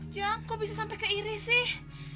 jang kok bisa sampai ke iri sih